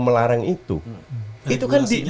melarang itu itu kan